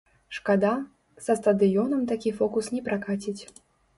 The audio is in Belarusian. Шкада, са стадыёнам такі фокус не пракаціць.